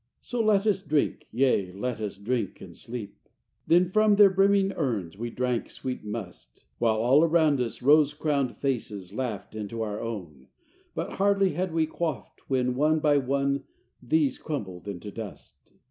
So let us drink; yea, let us drink and sleep." XII Then from their brimming urns we drank sweet must, While all around us rose crowned faces laughed Into our own: but hardly had we quaffed When, one by one, these crumbled into dust.